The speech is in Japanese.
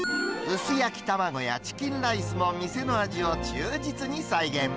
薄焼き卵やチキンライスも店の味を忠実に再現。